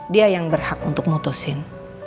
dia yang berhak untuk mutusin